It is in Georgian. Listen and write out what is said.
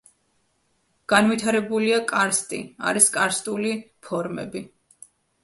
განვითარებულია კარსტი, არის კარსტული ფორმები.